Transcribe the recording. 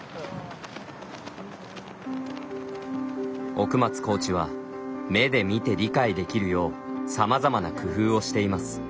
奥松コーチは目で見て理解できるようさまざまな工夫をしています。